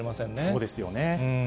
そうですよね。